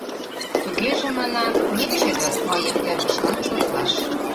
Тугеже, — манам, — нечеве мыйым эргычлан шотлаш!